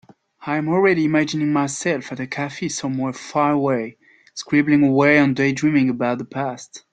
I am already imagining myself at a cafe somewhere far away, scribbling away and daydreaming about the past.